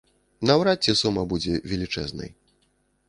Наўрад ці сума будзе велічэзнай.